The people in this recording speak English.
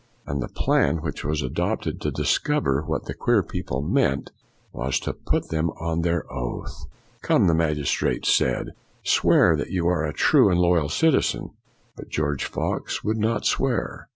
And the plan which was adopted to discover what the queer people meant was to put them on their oath. " Come," the magis trates said, " swear that you are a true and loyal citizen." But George Fox would not swear.